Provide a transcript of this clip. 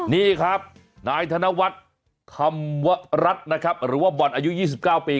นี่ครับนายธนวรรษธรรมรัฐนะครับหรือว่าบ่อนอายุ๒๙ปี